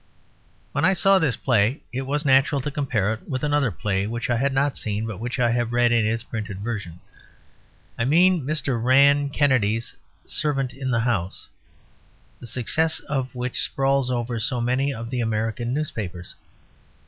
When I saw this play it was natural to compare it with another play which I had not seen, but which I have read in its printed version. I mean Mr. Rann Kennedy's Servant in the House, the success of which sprawls over so many of the American newspapers.